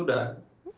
nge prank orang udah